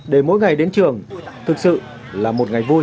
để mỗi ngày đến trường thực sự là một ngày vui